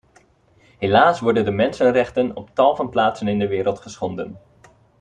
Helaas worden de mensenrechten op tal van plaatsen in de wereld geschonden.